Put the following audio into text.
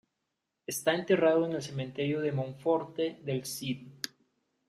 Está enterrado en el cementerio de Monforte del Cid.